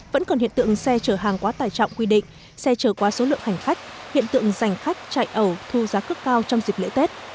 vẫn còn hiện tượng xe chở hàng quá tài trọng quy định xe chở quá số lượng hành khách hiện tượng giành khách chạy ẩu thu giá cước cao trong dịp lễ tết